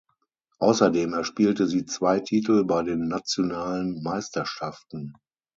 Außerdem erspielte sie zwei Titel bei den nationalen Meisterschaften.